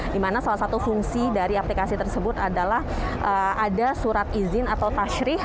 di mana salah satu fungsi dari aplikasi tersebut adalah ada surat izin atau tashrih